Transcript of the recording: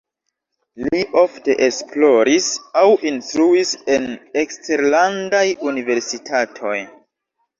Li ofte esploris aŭ instruis en eksterlandaj universitatoj.